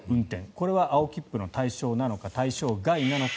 これは青切符の対象なのか対象外なのか。